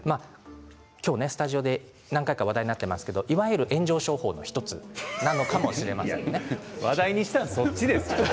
今日スタジオで何回か話題になっていますが、いわゆる炎上商法の１つなのかも話題にしたのはそっちでしょ。